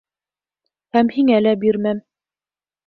Һәм һиңә лә бирмәм!